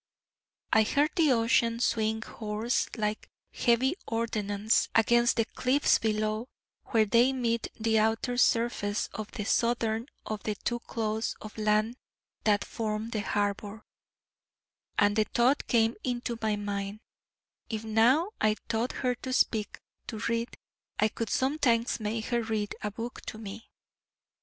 I heard the ocean swing hoarse like heavy ordnance against the cliffs below, where they meet the outer surface of the southern of the two claws of land that form the harbour: and the thought came into my mind: 'If now I taught her to speak, to read, I could sometimes make her read a book to me.'